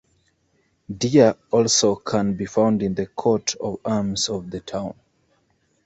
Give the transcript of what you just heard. Deer also can be found in the coat of arms of the town.